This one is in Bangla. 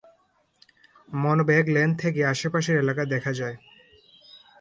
মনবেগ লেন থেকে আশেপাশের এলাকা দেখা যায়।